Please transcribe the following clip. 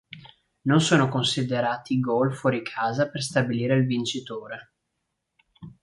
Non sono considerati i gol fuori casa per stabilire il vincitore.